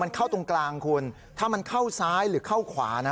มันเข้าตรงกลางคุณถ้ามันเข้าซ้ายหรือเข้าขวานะ